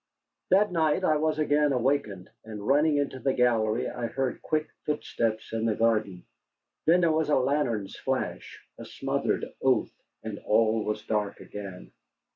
That night I was again awakened. And running into the gallery, I heard quick footsteps in the garden. Then there was a lantern's flash, a smothered oath, and all was dark again.